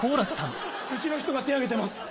うちの人が手挙げてます。